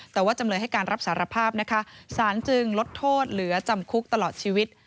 แต่ว่าจำเลยให้การรับสารภาพนะคะสารจึงลดโทษเหลือจำคุกตลอดชีวิต